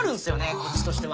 こっちとしては。